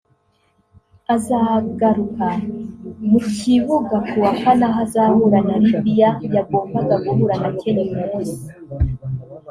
azagaruka mu kibuga ku wa kane aho azahura na Libya yagombaga guhura na Kenya uyu munsi